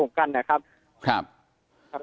แล้วมีการคอนเฟิร์มออกมาแล้วครับว่า